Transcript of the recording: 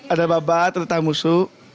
ada babat ada tamusu